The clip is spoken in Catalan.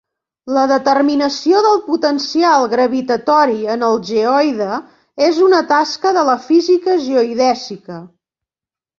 La determinació del potencial gravitatori en el geoide és una tasca de la física geodèsica.